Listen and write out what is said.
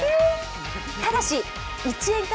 ただし１円